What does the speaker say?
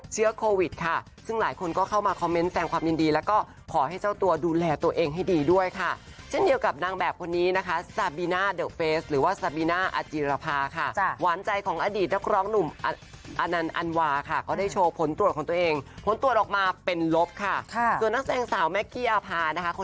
เชื้อโควิดค่ะซึ่งหลายคนก็เข้ามาคอมเม้นแซมความยินดีแล้วก็ขอให้เจ้าตัวดูแลตัวเองให้ดีด้วยค่ะเช่นเดียวกับนางแบบคนนี้นะคะหรือว่าค่ะค่ะก็ได้โชว์ผลตรวจของตัวเองผลตรวจออกมาเป็นลบค่ะค่ะ